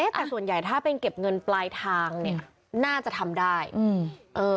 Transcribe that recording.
แต่ส่วนใหญ่ถ้าเป็นเก็บเงินปลายทางน่าจะทำได้